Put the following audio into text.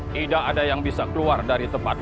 tidak ada yang bisa keluar dari tempat